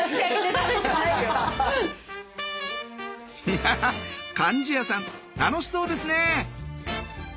いや貫地谷さん楽しそうですね！